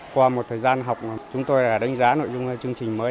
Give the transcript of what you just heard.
qua một thời gian học chúng tôi đã đánh giá nội dung chương trình mới